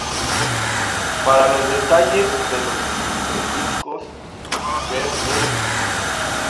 Para los detalles de los distintos discos ver el